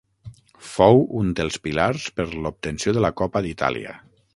Fou un dels pilars per l'obtenció de la Copa d'Itàlia.